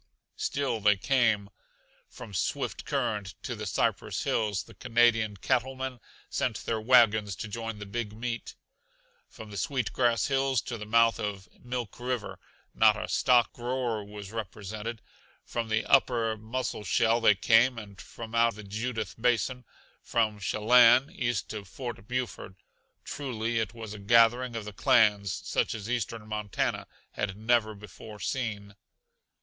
Still they came. From Swift Current to the Cypress Hills the Canadian cattlemen sent their wagons to join the big meet. From the Sweet Grass Hills to the mouth of Milk River not a stock grower but was represented. From the upper Musselshell they came, and from out the Judith Basin; from Shellanne east to Fort Buford. Truly it was a gathering of the clans such as eastern Montana had never before seen.